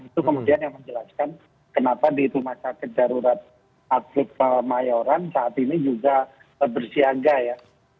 itu kemudian yang menjelaskan kenapa di rumah sakit darurat atlet mayoran saat ini juga bersiaga ya